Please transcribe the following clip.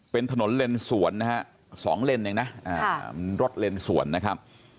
เป็นถนนเลนสวนนะฮะ๒เลนเองนะรถเลนสวนนะครับ